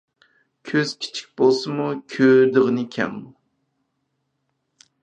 كۆز كىچىك بولسىمۇ، كۆرىدىغىنى كەڭ.